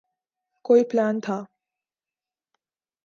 کوئی پلان تھا۔